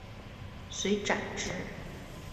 遂斩之。